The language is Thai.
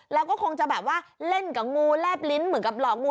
แล้วก็คงจะแบบว่าเล่นกับงูแลบลิ้นเหมือนกับหลอกงู